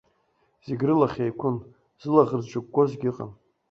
Зегьы рылахь еиқәын, зылаӷырӡ зҿыкәкәозгьы ыҟан.